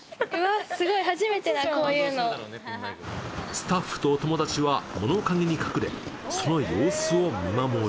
スタッフとお友達は物陰に隠れ、その様子を見守る。